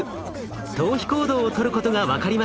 逃避行動をとることが分かりました。